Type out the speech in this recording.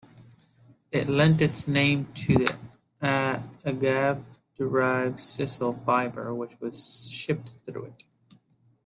It lent its name to the agave-derived sisal fiber which was shipped through it.